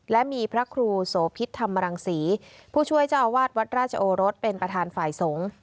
และมีพระครูโสพิษธรรมรังศรีผู้ช่วยเจ้าอาวาสวัดราชโอรสเป็นประธานฝ่ายสงฆ์